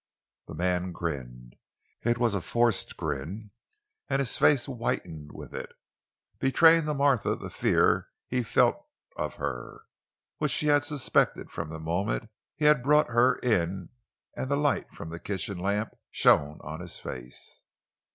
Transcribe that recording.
The man grinned. It was a forced grin, and his face whitened with it, betraying to Martha the fear he felt of her—which she had suspected from the moment he had brought her in and the light from the kitchen lamp shone on his face.